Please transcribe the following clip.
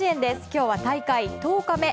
今日は大会１０日目。